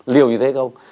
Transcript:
liều như thế không